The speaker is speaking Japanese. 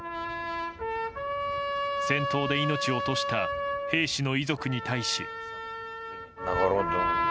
戦闘で命を落とした兵士の遺族に対し。